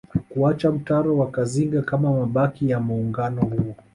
Kuacha mtaro wa Kazinga kama mabaki ya muungano huo